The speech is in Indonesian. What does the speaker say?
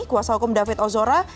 kuasa hukum david ozora